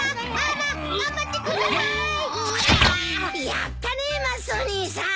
やったねマスオ兄さん！